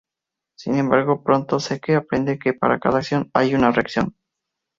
Sin embargo, pronto, Zeke aprende que para cada acción, hay una reacción.